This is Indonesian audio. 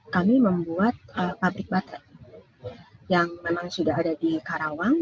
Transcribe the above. kami membuat pabrik baterai yang memang sudah ada di karawang